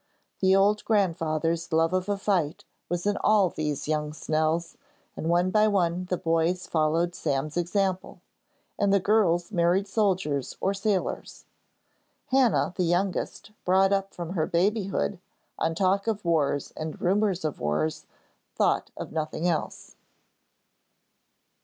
The old grandfather's love of a fight was in all these young Snells, and one by one the boys followed Sam's example, and the girls married soldiers or sailors. Hannah, the youngest, brought up from her babyhood on talk of wars and rumours of wars, thought of nothing else.